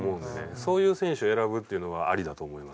そういう選手を選ぶっていうのはありだと思います。